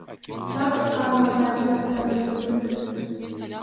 Бардык каармандардын аттары өзгөртүлдү.